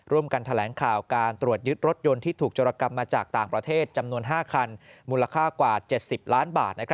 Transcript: ร่วมกันแถลงข่าวการตรวจยึดรถยนต์ที่ถูกจรกรรมมาจากต่างประเทศจำนวน๕คันมูลค่ากว่า๗๐ล้านบาท